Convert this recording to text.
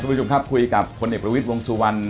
คุณผู้ชมครับคุยกับคนเอกประวิทย์วงสุวรรณ